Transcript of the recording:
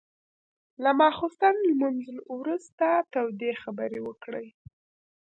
له ماخستن لمونځ وروسته تودې خبرې وکړې.